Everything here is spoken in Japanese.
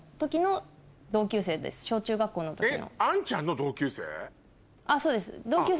小中学校の時の。